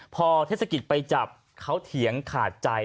พอเทศกิจไปจับเขาเถียงขาดใจ